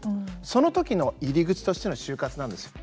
そのときの入り口としての就活なんですよ。